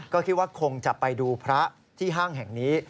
ก็คิดว่าคงจะไปดูพระที่ห้างแห่งนี้